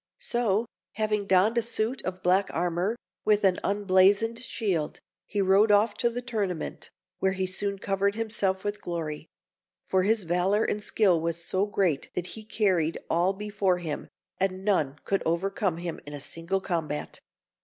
So, having donned a suit of black armour, with an unblazoned shield, he rode off to the Tournament, where he soon covered himself with glory; for his valour and skill was so great that he carried all before him, and none could overcome him in single combat.